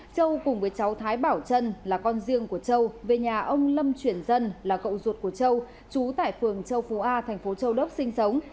châu cùng với cháu thái bảo trân là con riêng của châu về nhà ông lâm chuyển dân là cậu ruột của châu chú tại phường châu phú a thành phố châu đốc sinh sống